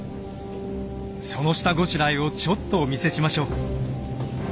その下ごしらえをちょっとお見せしましょう。